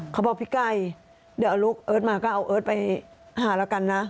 เขาบอกพี่ไก่เดี๋ยวเอาลูกเอิร์ทมาก็เอาเอิร์ทไปหาแล้วกันนะ